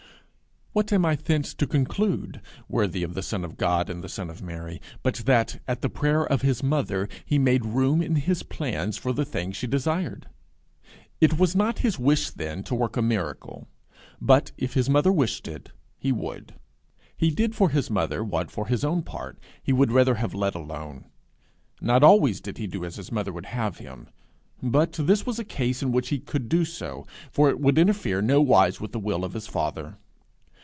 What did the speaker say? What am I thence to conclude, worthy of the Son of God, and the Son of Mary, but that, at the prayer of his mother, he made room in his plans for the thing she desired? It was not his wish then to work a miracle, but if his mother wished it, he would! He did for his mother what for his own part he would rather have let alone. Not always did he do as his mother would have him; but this was a case in which he could do so, for it would interfere nowise with the will of his Father.